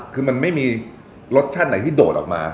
คือมันไม่มีรสชาติไหนที่โดดออกมา